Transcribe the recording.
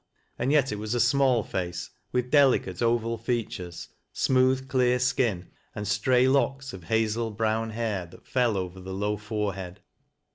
And yet it was a small face, witl delicate oval features, smooth, clear skin, and stray locks of hazel brown hair that fell over the low forehead.